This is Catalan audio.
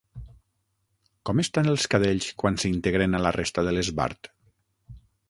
Com estan els cadells quan s'integren a la resta de l'esbart?